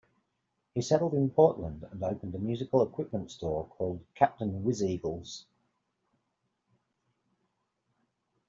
He settled in Portland and opened a musical equipment store called Captain Whizeagle's.